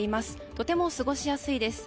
とても過ごしやすいです。